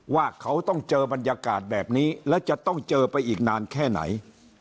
ว่าเขาต้องเจอบรรยากาศแบบนี้แล้วจะต้องเจอไปอีกนานแค่ไหน